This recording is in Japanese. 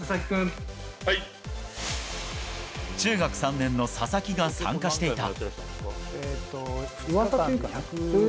中学３年の佐々木が参加していた。